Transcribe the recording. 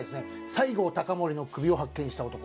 『西郷隆盛の首を発見した男』